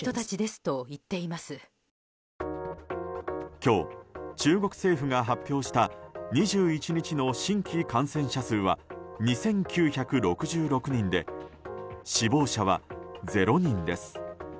今日、中国政府が発表した２１日の新規感染者数は２９６６人で死亡者は０人です。